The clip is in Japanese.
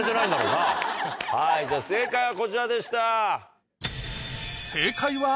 はい正解はこちらでした。